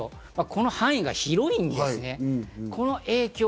この範囲が広いんですね。